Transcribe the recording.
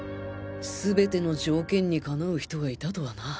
全ての条件に適う人がいたとはな